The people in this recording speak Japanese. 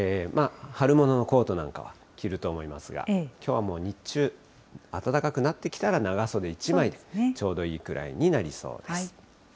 春物のコートなんかは着ると思いますが、きょうはもう、日中、暖かくなってきたら、長袖１枚でちょうどいいくらいになりそうです。